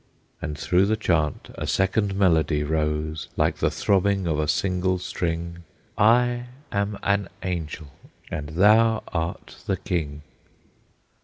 And through the chant a second melody Rose like the throbbing of a single string: "I am an Angel, and thou art the King!"